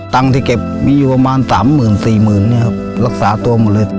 ตังค์ที่เก็บมีอยู่ประมาณ๓๐๐๐๐๔๐๐๐๐บาทรักษาตัวหมดเลย